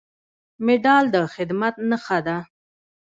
مډال د خدمت نښه ده